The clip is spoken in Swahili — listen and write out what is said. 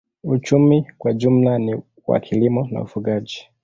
Uchumi kwa jumla ni wa kilimo na ufugaji.